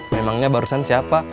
memangnya barusan siapa